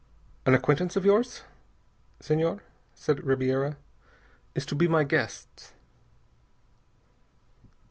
"An acquaintance of yours, Senhor," said Ribiera, "is to be my guests."